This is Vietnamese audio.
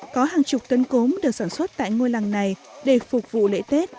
có hàng chục tấn cốm được sản xuất tại ngôi làng này để phục vụ lễ tết